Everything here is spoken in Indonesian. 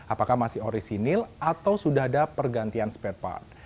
apakah masih orisinil atau sudah ada pergantian spare part